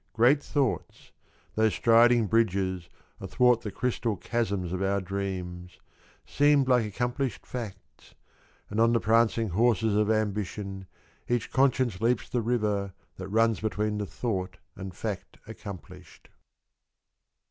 — Great thoughts, those striding bridges Athwart the crystal chasms of our dreams, Seemed like accomplished facts And on the prancing horses of ambition Each conscience leaps the river That runs between the thought and fact accomplished.